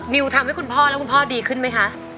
ทำให้คุณพ่อและคุณพ่อดีขึ้นไหมคะ